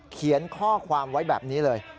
เขียนข้อความไว้แบบนี้เลย